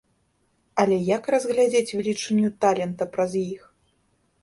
Але як разглядзець велічыню талента праз іх?